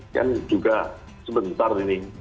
kan juga sebentar ini